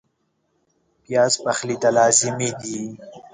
پیاز پخلي ته لازمي دی